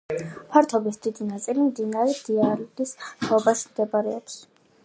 ფართობის დიდი ნაწილი მდინარე დიიალის ხეობაში მდებარეობს.